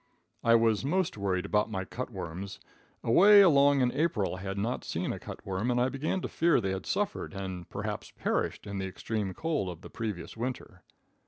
I was most worried about my cut worms. Away along in April I had not seen a cutworm, and I began to fear they had suffered, and perhaps perished, in the extreme cold of the previous winter.